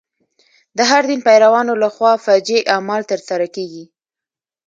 د هر دین پیروانو له خوا فجیع اعمال تر سره کېږي.